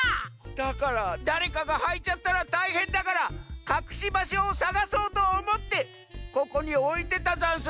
だからだれかがはいちゃったらたいへんだからかくしばしょをさがそうとおもってここにおいてたざんす。